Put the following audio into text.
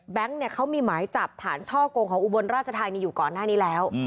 แบงค์เนี่ยเขามีหมายจับฐานช่อโกงของอุบลราชไทยอยู่ก่อนหน้านี้แล้ว